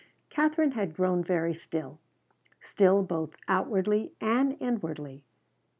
Katherine had grown very still, still both outwardly and inwardly.